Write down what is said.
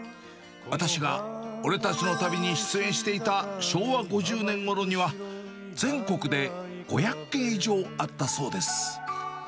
私が俺たちの旅に出演していた昭和５０年ごろには、全国で５００軒以上あったそうです。